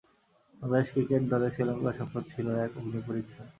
Bangladesh cricket দলের শ্রীলংকা সফর ছিল এক অগ্নিপরীক্ষা।